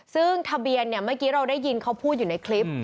ซึ่งทะเบียนเมื่อกี้เราได้ยินเขาพูดอยู่ในคลิป